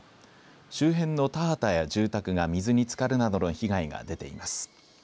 周辺の田畑や住宅が水につかるなどの被害が出ています。